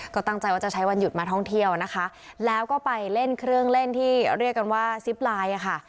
ก็ตั้งใจว่าจะใช้วันหยุดมาท่องเที่ยวนะคะแล้วก็ไปเล่นเครื่องเล่นที่เรียกกันว่าซิปไลน์อ่ะค่ะ